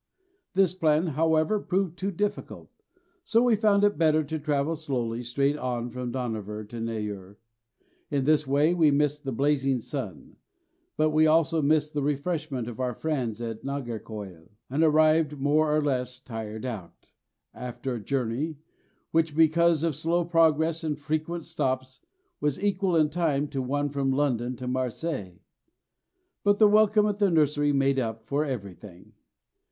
This plan, however, proved too difficult, so we found it better to travel slowly straight on from Dohnavur to Neyoor. In this way we missed the blazing sun; but we also missed the refreshment of our friends at Nagercoil, and arrived more or less tired out, after a journey which, because of slow progress and frequent stops, was equal in time to one from London to Marseilles. But the welcome at the nursery made up for everything.